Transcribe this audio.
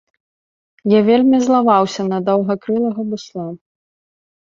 Я вельмі злаваўся на даўгакрылага бусла.